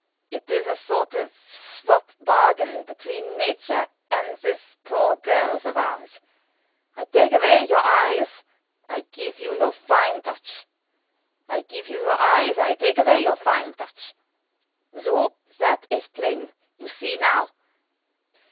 It is a sort of swop bargain between Nature and this poor girls of ours. I take away your eyes I give you your fine touch. I give you your eyes I take away your fine touch. Soh! that is plain. You see now."